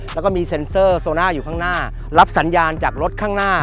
แล้วก็มีเซ็นเซอร์โซน่าอยู่ข้างหน้ารับสัญญาณจากรถข้างหน้า